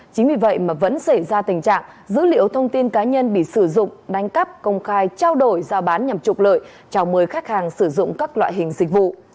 chính vì vậy mà vẫn xảy ra tình trạng dữ liệu thông tin cá nhân bị sử dụng đánh cắp công khai trao đổi giao bán nhằm trục lợi chào mời khách hàng sử dụng các loại hình dịch vụ